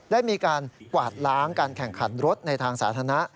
ได้มีการกวาดล้างการแข่งขันรถในทางสาธารณะ